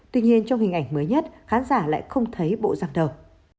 tuy nhiên trong hình ảnh mới nhất khán giả lại không thấy bộ giang được